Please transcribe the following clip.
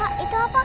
gak ada apa apa